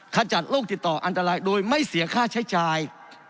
ขจัดโรคติดต่ออันตรายโดยไม่เสียค่าใช้จ่าย